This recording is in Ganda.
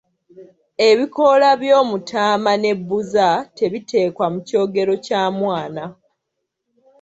Ebikoola by'omutaama ne bbuza tebiteekwa mu kyogero kya mwana.